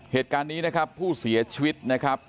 เหตุการณ์นี้นะครับผู้เสียชีวิตนะครับ